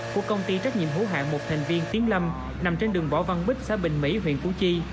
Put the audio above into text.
của công ty trách nhiệm hữu hạng một thành viên tiến lâm nằm trên đường võ văn bích xã bình mỹ huyện củ chi